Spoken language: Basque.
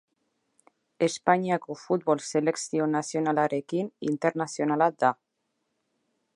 Espainiako futbol selekzio nazionalarekin internazionala da.